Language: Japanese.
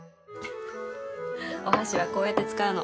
「お箸はこうやって使うの」